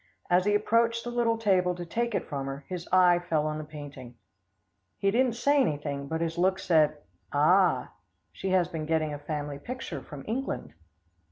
As he approached the little table to take it from her, his eye fell on the painting. He didn't say anything, but his look said, "Ah! she has been getting a family picture from England."